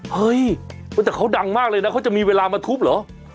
เฮ้ยแต่เขาดังมากเลยนะเขาจะมีเวลามาทุบเหรอ